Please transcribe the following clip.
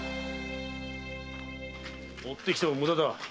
追ってきても無駄だ。